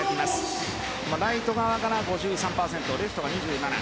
ライト側から５３％レフトが２７。